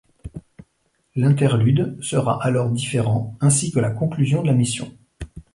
L'interlude sera alors différent, ainsi que la conclusion de la mission.